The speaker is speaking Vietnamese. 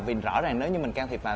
vì rõ ràng nếu như mình can thiệp vào